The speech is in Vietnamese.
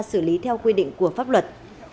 xử lý theo quy định của pháp luật